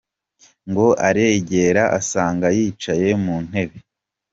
Ngo areegeera , asanga yicaye mu ntebe.